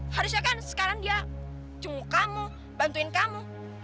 harusnya kan sekarang dia cuma kamu bantuin kamu